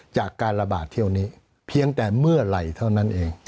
จากการระบาดเที่ยวนี้เพียงแต่เมื่อไหร่เท่านั้นเอง